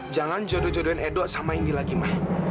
jangan jodoh jodohin edo sama indi lagi ma